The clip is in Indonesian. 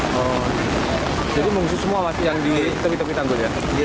jadi mengungsi semua yang di tepi tepi tanggul ya